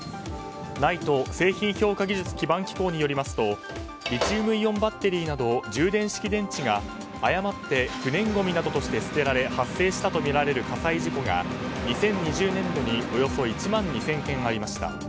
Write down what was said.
ＮＩＴＥ・製品評価技術基盤機構によりますとリチウムイオンバッテリーなど充電式電池が誤って不燃ごみになどとして捨てられ発生したとみられる火災事故が２０２０年度におよそ１万２０００件ありました。